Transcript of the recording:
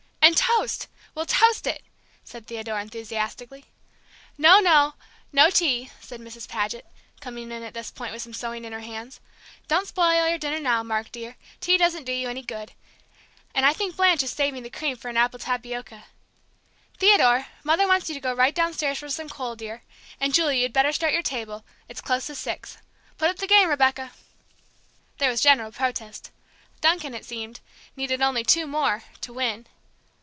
"And toast we'll toast it!" said Theodore, enthusiastically. "No, no no tea!" said Mrs. Paget, coming in at this point with some sewing in her hands. "Don't spoil your dinner, now, Mark dear; tea doesn't do you any good. And I think Blanche is saving the cream for an apple tapioca. Theodore, Mother wants you to go right downstairs for some coal, dear. And, Julie, you'd better start your table; it's close to six. Put up the game, Rebecca!" There was general protest. Duncan, it seemed, needed only "two more" to win.